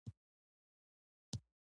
د شګوفه اواز د دوی زړونه ارامه او خوښ کړل.